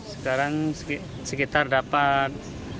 sekarang sekitar dapat lima